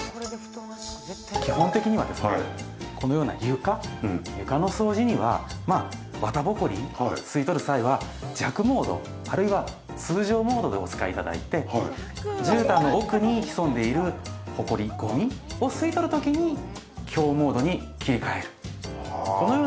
基本的にはこのような床床の掃除には、綿ぼこりを吸い取る際は弱モード、あるいは通常モードでお使いいただいてじゅうたんの奥に潜んでいるほこり、ごみを吸い取る時に強モードに切り替える。